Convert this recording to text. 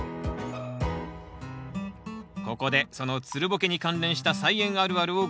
ここでそのつるボケに関連した「菜園あるある」をご紹介します。